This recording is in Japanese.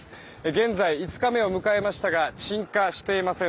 現在、５日目を迎えましたが鎮火していません。